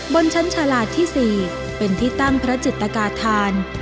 บนชั้นชาลาที่๔เป็นที่ตั้งพระจิตกาธาน